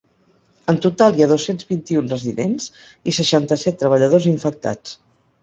En total hi ha dos-cents vint-i-un residents i seixanta-set treballadors infectats.